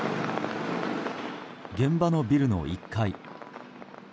現場のビルの１階。